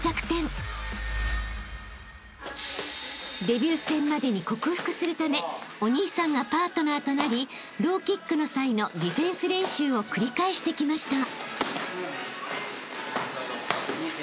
［デビュー戦までに克服するためお兄さんがパートナーとなりローキックの際のディフェンス練習を繰り返してきました］